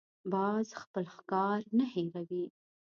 باز خپل ښکار نه هېروي